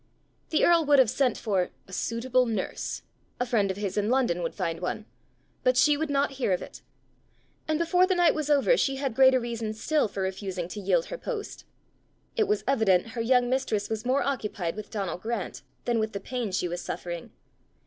The earl would have sent for "a suitable nurse!" a friend of his in London would find one! but she would not hear of it. And before the night was over she had greater reason still for refusing to yield her post: it was evident her young mistress was more occupied with Donal Grant than with the pain she was suffering!